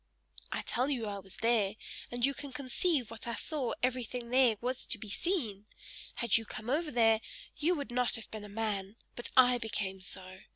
"I tell you I was there, and you can conceive that I saw everything there was to be seen. Had you come over there, you would not have been a man; but I became so!